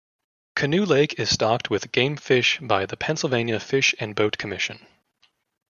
Canoe Lake is stocked with game fish by the Pennsylvania Fish and Boat Commission.